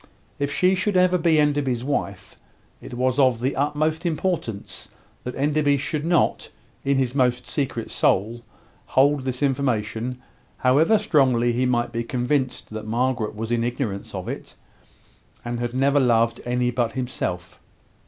If she should ever be Enderby's wife, it was of the utmost importance that Enderby should not, in his most secret soul, hold this information, however strongly he might be convinced that Margaret was in ignorance of it, and had never loved any but himself.